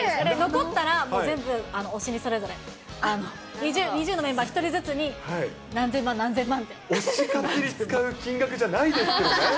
残ったら全部推しにそれぞれ、ＮｉｚｉＵのメンバー１人ずつに何千万、推し活に使う金額じゃないですよね。